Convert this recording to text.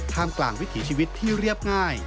กลางกลางวิถีชีวิตที่เรียบง่าย